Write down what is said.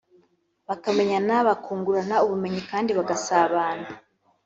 bakamenyana bakungurana ubumenyi kandi bagasabana